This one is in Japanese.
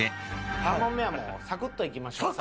３問目はサクッといきましょう。